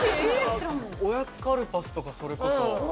おやつカルパスとかそれこそ。